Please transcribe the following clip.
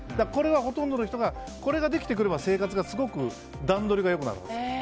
ほとんどの人がこれができてくればすごく段取りが良くなるんです。